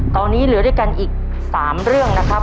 ตอนนี้เหลือด้วยกันอีก๓เรื่องนะครับ